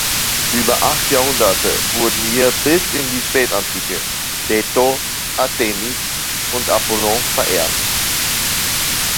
Über acht Jahrhunderte wurden hier bis in die Spätantike Leto, Artemis und Apollon verehrt.